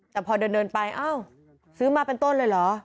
แต่พอเดินไปอ้าวซื้อมาเป็นต้นเลยเหรอ